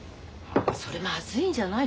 それまずいんじゃない？